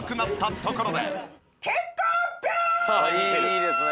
「いいですね」